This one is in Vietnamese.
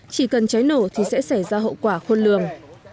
chỉ cần cháy nổ thì sẽ xảy ra hậu quả khôn lường